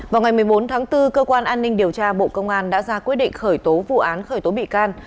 vào ngày một mươi bốn tháng bốn cơ quan an ninh điều tra bộ công an đã ra quyết định khởi tố vụ án khởi tố bị can